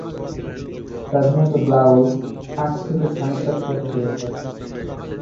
সাধারণত blouse, shirt থেকে খানিকটা ছোট হয়ে থাকে।